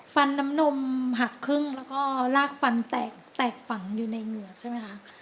ฟันน้ำนมหักครึ่งแล้วก็ลากฟันแตกฝังอยู่ในเหงื่อใช่ไหมคะ